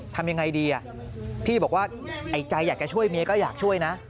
ทำยังไงดีพี่บอกว่าไอ้ใจอยากจะช่วยเมียก็อยากช่วยนะ